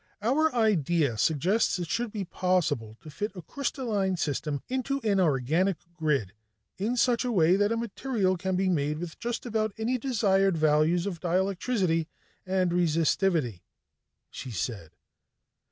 "Our idea suggests it should be possible to fit a crystalline system into an organic grid in such a way that a material can be made with just about any desired values of dielectricity and resistivity," she said.